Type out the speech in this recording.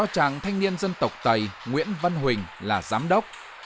chàng thanh niên dân tộc tày nguyễn văn huỳnh là giám đốc